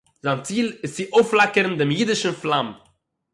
זיין ציל איז צו אויפפלאַקערן דעם אידישן פלאַם